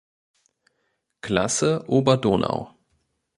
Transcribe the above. Klasse Oberdonau.